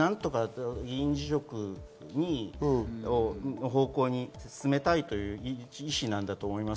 議員辞職を進めたいという一心なんだと思います。